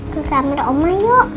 ke kamar oma yuk